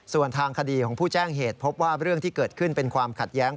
ส่วนทางคดีของผู้แจ้งเหตุพบว่าเรื่องที่เกิดขึ้นเป็นความขัดแย้ง